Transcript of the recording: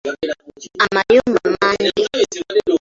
Amayumba mangi.